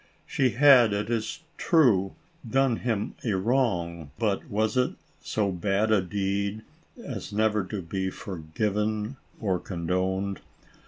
She had, it is true, done him a wrong ; but was it so bad a deed, as never to be forgiven or condoned